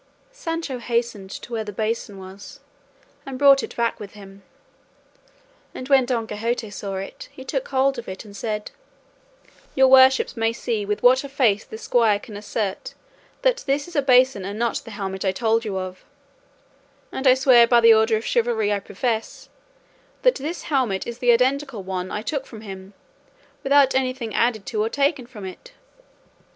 Sancho hastened to where the basin was, and brought it back with him, and when Don Quixote saw it, he took hold of it and said: "Your worships may see with what a face this squire can assert that this is a basin and not the helmet I told you of; and I swear by the order of chivalry I profess, that this helmet is the identical one I took from him, without anything added to or taken from it."